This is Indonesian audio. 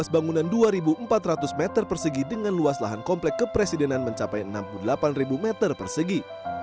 luas bangunan dua empat ratus meter persegi dengan luas lahan komplek kepresidenan mencapai enam puluh delapan meter persegi